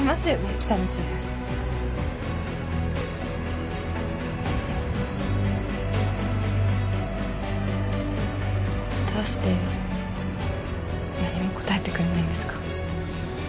喜多見チーフどうして何も答えてくれないんですか？